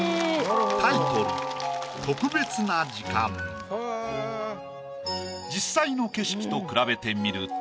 タイトル実際の景色と比べてみると。